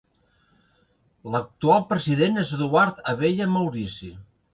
L'actual president és Eduard Abella Maurici.